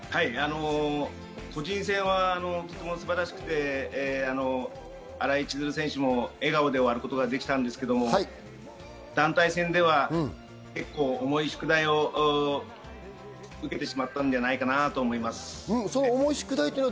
個人戦はとても素晴らしくて、新井千鶴選手も笑顔で終わることができたんですけど、団体戦では結構、重い宿題を受けてしまったんじゃないかなと思います。